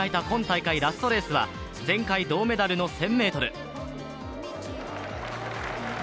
今大会ラストレースは前回、銅メダルの１０００ｍ。